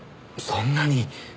そんなに？